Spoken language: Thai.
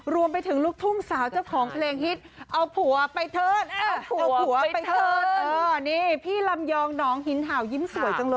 รวมที่ถึงลูกทุ่งสาวเจ้าของเพลงฮิต